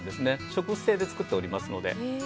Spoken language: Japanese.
植物性で作っておりますので。